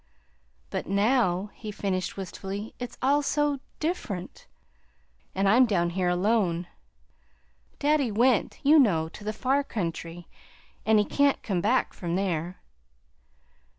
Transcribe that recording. "But now" he finished wistfully, "it's all, so different, and I'm down here alone. Daddy went, you know, to the far country; and he can't come back from there."